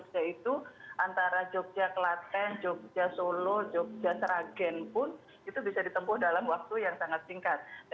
yaitu antara jogja kelaten jogja solo jogja seragen pun itu bisa ditempuh dalam waktu yang sangat singkat